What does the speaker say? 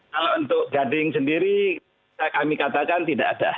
kalau untuk gading sendiri kami katakan tidak ada